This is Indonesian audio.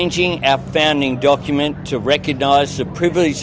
singkatan dengan telepon berpujuk